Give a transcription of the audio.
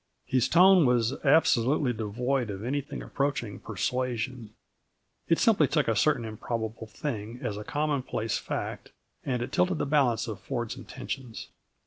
His tone was absolutely devoid of anything approaching persuasion; it simply took a certain improbable thing as a commonplace fact, and it tilted the balance of Ford's intentions.